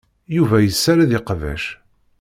Yuba yessared iqbac.